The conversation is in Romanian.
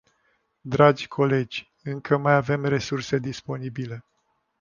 Dragi colegi, încă mai avem resurse disponibile.